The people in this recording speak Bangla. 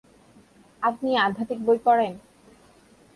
আপনি আধ্যাত্মিক বই পড়েন?